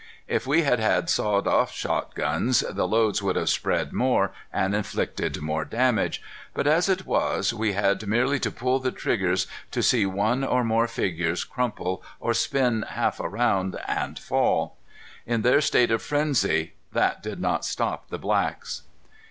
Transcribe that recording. If we had had sawed off shotguns, the loads would have spread more and inflicted more damage, but as it was we had merely to pull the triggers to see one or more figures crumple or spin half around and fall. In their state of frenzy, that did not stop the blacks.